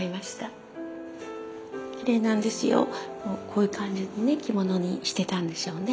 こういう感じでね着物にしてたんでしょうね。